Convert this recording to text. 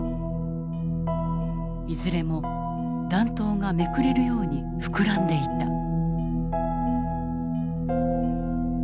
いずれも弾頭がめくれるように膨らんでいた。